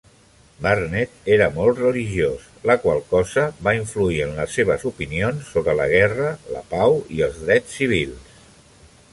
Barnet era molt religiós, la qual cosa va influir en les seves opinions sobre la guerra, la pau i els drets civils.